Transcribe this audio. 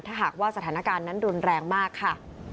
ถ้าหากว่าสถานการณ์นั้นรุนแรงมากค่ะ